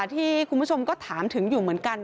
ที่คุณผู้ชมก็ถามถึงอยู่เหมือนกัน